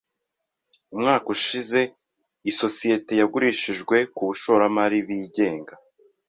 Umwaka ushize, isosiyete yagurishijwe ku bashoramari bigenga.